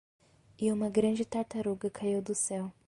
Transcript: E uma grande tartaruga caiu do céu.